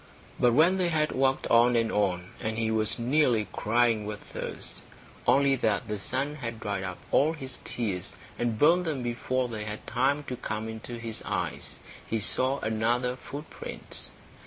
But when they had walked on and on, and he was nearly crying with thirst, only that the sun had dried up all his tears and burnt them before they had time to come into his eyes, he saw another footprint.